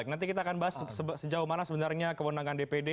nanti kita akan bahas sejauh mana sebenarnya kewenangan dpd